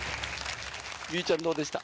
望結ちゃんどうでした？